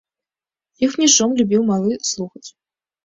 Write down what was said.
Іхні шум любіў малы слухаць.